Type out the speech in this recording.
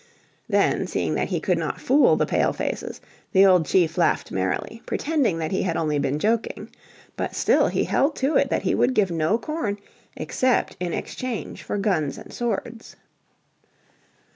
Then, seeing that he could not fool the Pale faces the old chief laughed merrily, pretending that he had only been joking. But still he held to it that he would give no corn except in exchange for guns and swords.